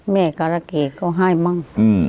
แม่กรกิกก็ให้มั้ง